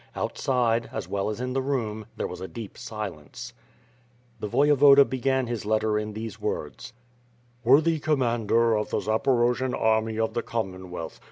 Outside, as well as in the room, there was a deep silence. The Voyevoda began his letter in these words: "Worthy Commander of the Zaporojian army of the Com monwealth.